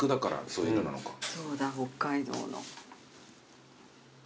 そうだ北海道の。